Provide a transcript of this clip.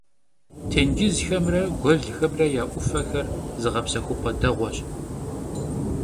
Têncızxemre guelxemre ya 'Ufexer zığepsexup'e değueş.